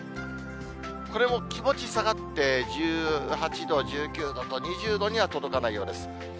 これも気持ち下がって１８度、１９度と２０度には届かないようです。